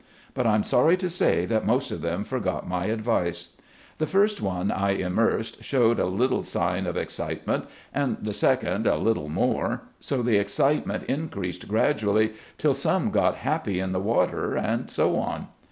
But I am sorry to say that most of them forgot my advice. The first one I immersed showed a little sign of excitement, and the second a little more, so the excitement increased gradually, till some got happy in the water, and so on.